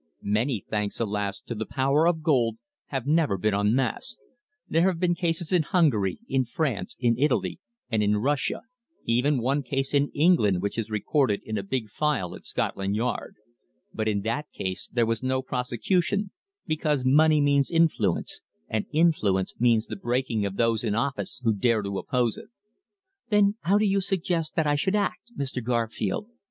Many, thanks alas! to the power of gold, have never been unmasked. There have been cases in Hungary, in France, in Italy, and in Russia even one case in England which is recorded in a big file at Scotland Yard. But in that case there was no prosecution because money means influence, and influence means the breaking of those in office who dare to oppose it." "Then how do you suggest that I should act, Mr. Garfield?"